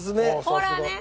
ほらね！